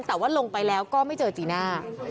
แต่ว่าลงไปแล้วก็ไม่เจอจีน่า